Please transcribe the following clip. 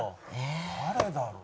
誰だろう？